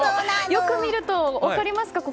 よく見ると、分かりますか。